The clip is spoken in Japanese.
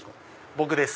僕です。